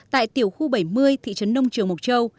tại tiểu khu bảy mươi thị trấn nông trường mộc châu